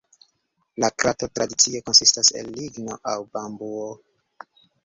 La krado tradicie konsistas el ligno aŭ bambuo.